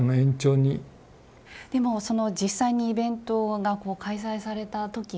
でもその実際にイベントがこう開催された時は。